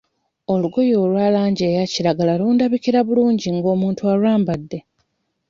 Olugoye olwa langi eya kiragala lundabikira bulungi ng'omuntu alwambadde.